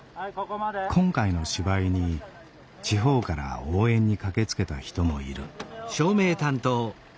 今回の芝居に地方から応援に駆けつけた人もいる。